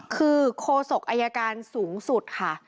คือโคศกอายการสูงสุดค่ะ